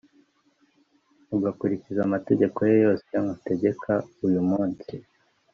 ugakurikiza amategeko ye yose ngutegeka uyu munsi,